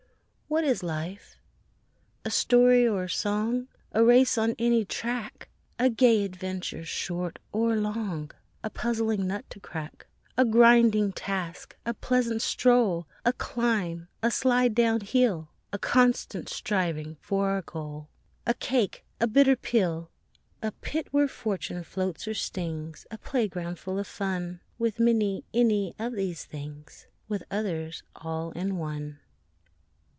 What's life? A story or a song; A race on any track; A gay adventure, short or long, A puzzling nut to crack; A grinding task; a pleasant stroll; A climb; a slide down hill; A constant striving for a goal; A cake; a bitter pill; A pit where fortune flouts or stings; A playground full of fun; With many any of these things; With others all in one.